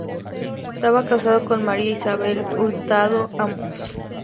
Estaba casado con María Isabel Hurtado Amós.